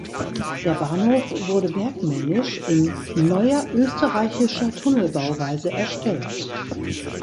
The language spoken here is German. Der Bahnhof wurde bergmännisch in Neuer Österreichischer Tunnelbauweise erstellt.